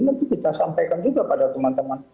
nanti kita sampaikan juga pada teman teman